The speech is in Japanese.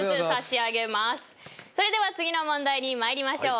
それでは次の問題に参りましょう。